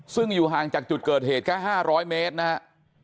ซึ่งอยู่ห่างจากจุดเกิดเหตุแค่๕๐๐เมตรนะฮะ